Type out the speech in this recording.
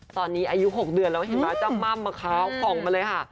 ตอนนี้อายุ๖เดือนแล้วเห็นไหมจ้ำม่ำมะขาวผ่องมาเลยค่ะ